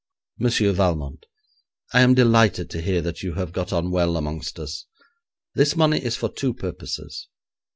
'Monsieur Valmont, I am delighted to hear that you have got on well amongst us. This money is for two purposes.